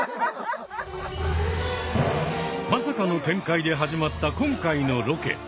まさかの展開で始まった今回のロケ。